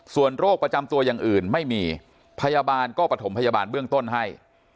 ส่วนโรคประจำตัวอย่างอื่นไม่มีพยาบาลก็ประถมพยาบาลเบื้องต้นให้